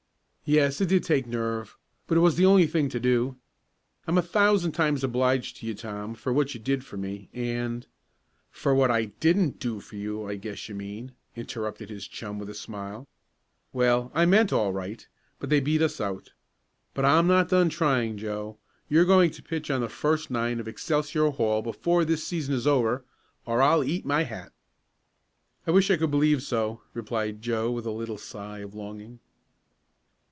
"Yes, it did take nerve, but it was the only thing to do. I'm a thousand times obliged to you, Tom, for what you did for me, and " "For what I didn't do for you, I guess you mean," interrupted his chum with a smile. "Well, I meant all right, but they beat us out. But I'm not done trying. Joe, you're going to pitch on the first nine of Excelsior Hall before this season is over, or I'll eat my hat." "I wish I could believe so," replied Joe with a little sigh of longing.